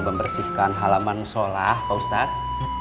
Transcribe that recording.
membersihkan halaman sekolah pak ustadz